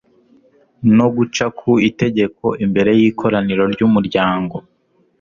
no guca ku itegeko, imbere y'ikoraniro ry'umuryango